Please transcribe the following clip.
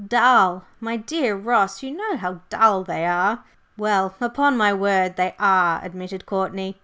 Dull! My dear Ross, you know how dull they are!" "Well, upon my word, they are," admitted Courtney.